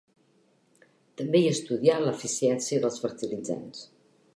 També hi estudià l'eficiència dels fertilitzants.